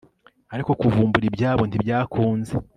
ariko kuvumbura ibyabo ntibyakunze